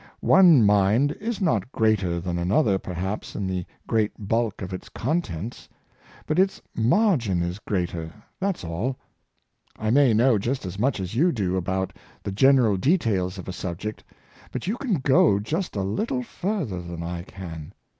One mind is not greater than another, perhaps, in the great bulk of its contents; but its margin is greater, that's all. I may know just as much as you do about the general details of a subject, but you can go just a little further than I can.